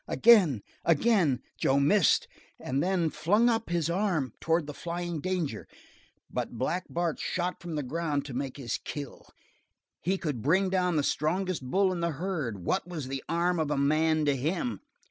Again, again, Joe missed, and then flung up his arm toward the flying danger. But Black Bart shot from the ground to make his kill. He could bring down the strongest bull in the herd. What was the arm of a man to him?